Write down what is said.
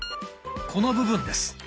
この部分です。